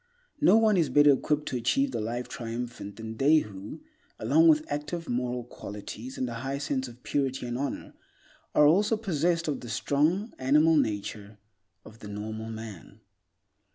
No one is better equipped to achieve the Life Triumphant than they who, along with active moral qualities and a high sense of purity and honor, are also possessed of the strong animal nature of the normal man.